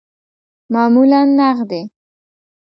معمولاً نغدی